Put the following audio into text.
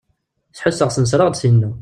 Sḥusseɣ snesreɣ-d syina.